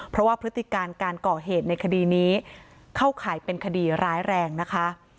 เพราะว่าพฤติการการก่อเหตุในคดีนี้เข้าข่ายเป็นคดีร้ายแรงนะคะ